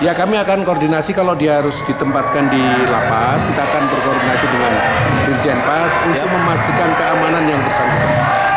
ya kami akan koordinasi kalau dia harus ditempatkan di lapas kita akan berkoordinasi dengan dirjen pas untuk memastikan keamanan yang bersangkutan